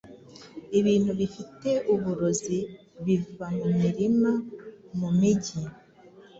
Ibintu bifite uburozi biva mu mirima, mu mijyi,